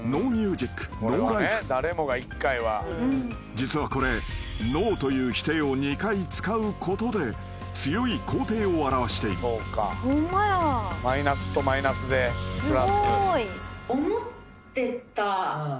［実はこれ「ＮＯ」という否定を２回使うことで強い肯定を表している］ホンマや！